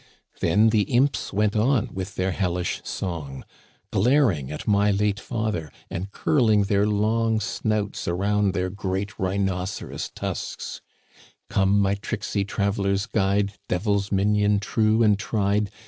Then the imps went on with their hellish song, glar ing at my late father, and curling their long snouts around their great rhinoceros tusks :" Come, my tricksy Traveler's Guide, Devil's Minion true and tried.